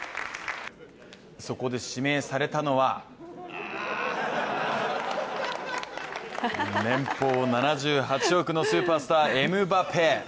そこで指名されたのは年俸７８億のスーパースター、エムバペ。